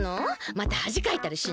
またはじかいたりしない？